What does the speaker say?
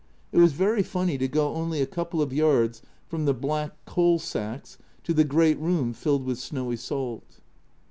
It was very funny to go only a couple of yards from the black coal sacks to the great room filled with snowy salt.